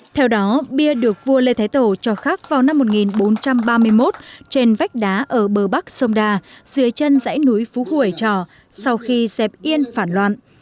theo đó bia được vua lê thái tổ cho khắc vào năm một nghìn bốn trăm ba mươi một trên vách đá ở bờ bắc sông đà dưới chân dãy núi phú hủy trò sau khi dẹp yên phản loạn